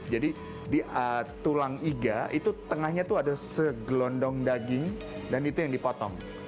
jadi di tulang iga itu tengahnya itu ada segelondong daging dan itu yang dipotong